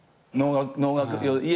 農学。